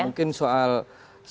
mungkin soal ini aja